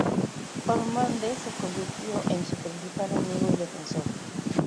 Ormonde se convirtió en su principal amigo y defensor.